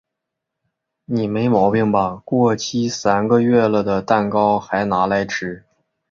你没毛病吧？过期三个月了的蛋糕嗨拿来吃？